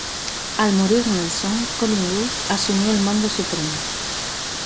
Al morir Nelson, Collingwood asumió el mando supremo.